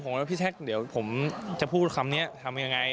ผมว่าพี่แท็กเดี๋ยวผมจะพูดคำนี้ทำยังไง